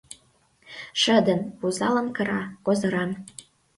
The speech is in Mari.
Шыдын, вузалын кыра, козыран.